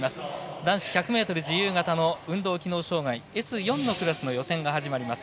男子１００ｍ自由形の運動機能障がいＳ４のクラスの予選が始まります。